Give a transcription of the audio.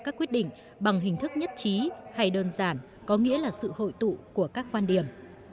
các quyết định bằng hình thức nhất trí hay đơn giản có nghĩa là sự hội tụ của các quan điểm